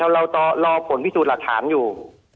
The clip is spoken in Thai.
เรารอผลพิสูจน์หลักฐานอยู่